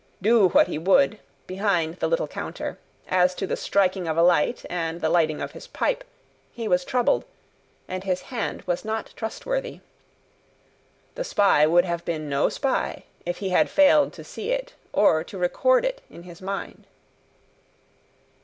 Do what he would, behind the little counter, as to the striking of a light and the lighting of his pipe, he was troubled, and his hand was not trustworthy. The spy would have been no spy if he had failed to see it, or to record it in his mind.